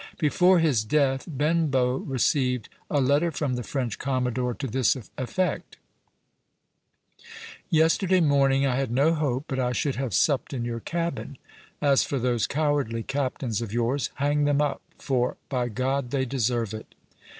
Before his death Benbow received a letter from the French commodore to this effect: "Yesterday morning I had no hope but I should have supped in your cabin. As for those cowardly captains of yours, hang them up, for, by God! they deserve it."